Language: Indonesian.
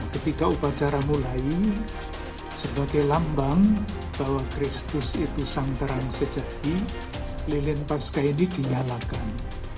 ketika upacara mulai sebagai lambang bahwa kristus itu santaran sejati lilin pasca ini dinyalakan